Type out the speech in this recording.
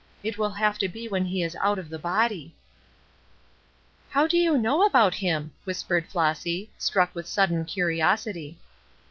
It will have to be when he is out of the body." "How do you know about him?" whispered Flossy, struck with sudden curiosity.